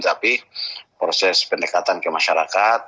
tapi proses pendekatan ke masyarakat